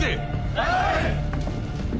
はい！